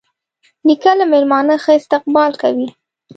نیکه له میلمانه ښه استقبال کوي.